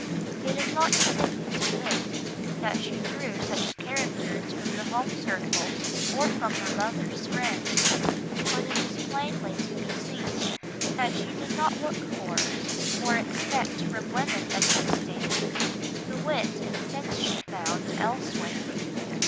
It is not intended to hint that she drew such characters from the home circle or from her mother's friends, but it is plainly to be seen that she did not look for, or expect from women of this standing, the wit and sense she found elsewhere.